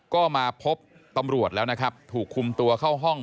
ก็มาพบตำรวจแล้วนะครับถูกคุมตัวเข้าห้อง